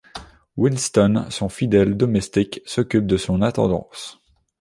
Winston, son fidèle domestique, s’occupe de son intendance.